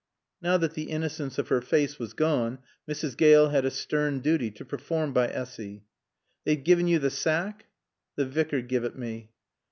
Now that the innocence of her face was gone, Mrs. Gale had a stern duty to perform by Essy. "They've gien yo t' saack?" "T' Vicar give it mae."